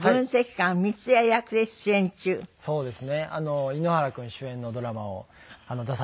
そうです。